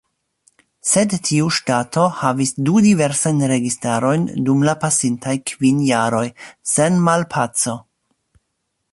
Sed tiu ŝtato havis du diversajn registarojn dum la pasintaj kvin jaroj, sen malpaco.